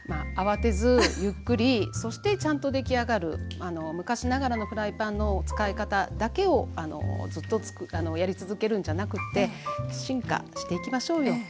あわてずゆっくりそしてちゃんと出来上がるあの昔ながらのフライパンの使い方だけをあのずっとやり続けるんじゃなくて進化していきましょうよ